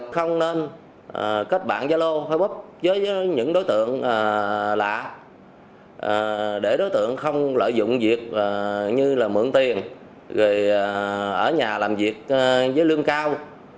không nên kết bạn gia lô facebook với những đối tượng lạ để đối tượng không lợi dụng việc như là mượn tiền ở nhà làm việc với lương cao